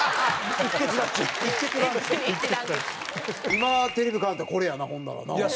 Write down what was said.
今テレビ買うんやったらこれやなほんだらな。